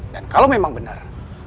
dan kalau memang benar